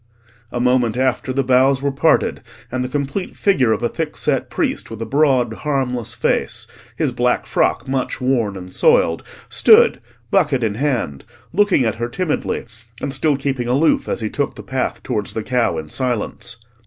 A moment after, the boughs were parted, and the complete figure of a thickset priest with a broad, harmless face, his black frock much worn and soiled, stood, bucket in hand, looking at her timidly, and still keeping aloof as he took the path towards the cow in silence.